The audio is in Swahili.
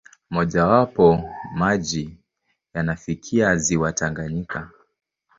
Mmojawapo, maji yanafikia ziwa Tanganyika.